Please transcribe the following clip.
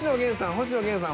「星野源さん」